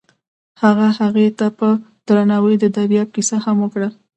هغه هغې ته په درناوي د دریاب کیسه هم وکړه.